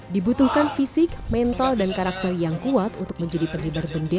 dibutuhkan fisik mental dan karakter yang kuat untuk menjadi penghibar bendera